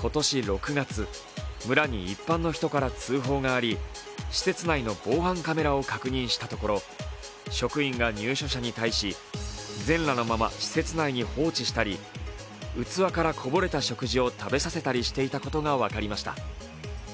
今年６月、村に一般の人から通報があり、施設内の防犯カメラを確認したところ職員が入所者に対し全裸のまま施設内に放置したり器からこぼれた食事を食べさせたりしていたことが分かりました。